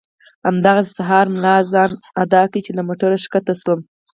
همدغسې سهار ملا اذان اډه کې له موټره ښکته شوم.